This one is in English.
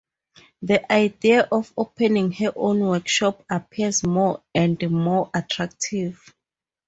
The idea of opening her own workshop appears more and more attractive.